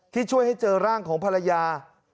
ที่ช่วยให้เจอร่างของภรรยา